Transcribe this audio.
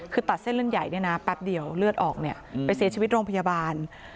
คือตัดเส้นเรื่องใหญ่เนี่ยนะแป๊บเดียวเลือดออกเนี่ยไปเสียชีวิตโรงพยาบาล